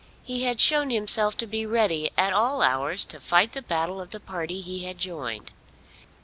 He had shown himself to be ready at all hours to fight the battle of the party he had joined.